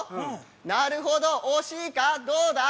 なるほど惜しいかどうだ？